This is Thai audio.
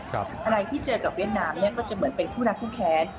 อะไรที่เจอกับเวียดนามเนี่ยก็จะเหมือนเป็นคู่รักผู้แค้น